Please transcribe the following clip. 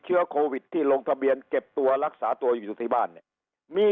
เชื้อโควิดที่ลงทะเบียนเก็บตัวรักษาตัวอยู่ที่บ้านเนี่ยมี